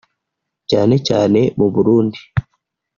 cyane cyane mu Burundi